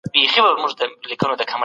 د ابن خلدون نظریات تر کنت پخواني دي.